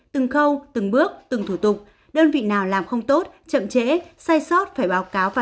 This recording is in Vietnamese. từng khâu từng bước từng thủ tục đơn vị nào làm không tốt chậm trễ sai sót phải báo cáo và